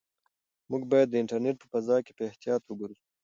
موږ باید د انټرنيټ په فضا کې په احتیاط وګرځو.